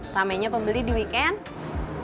ramainya pembeli di weekend